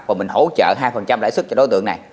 và mình hỗ trợ hai lãi suất cho đối tượng này